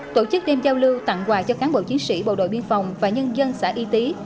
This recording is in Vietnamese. tổ chức đêm giao lưu tặng quà cho cán bộ chiến sĩ bộ đội biên phòng và nhân dân xã y tý